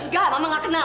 enggak mama gak kenal